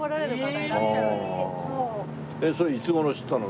それいつ頃知ったの？